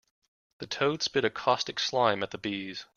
The toad spit a caustic slime at the bees.